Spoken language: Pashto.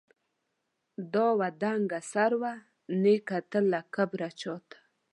دا وه دنګه سروه، نې کتل له کبره چاته